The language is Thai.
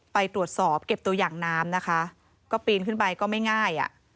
ไปตรวจสอบเก็บตัวอย่างน้ำนะคะก็ปีนขึ้นไปก็ไม่ง่ายอ่ะ